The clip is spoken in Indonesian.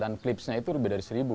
dan klipsnya itu lebih dari seribu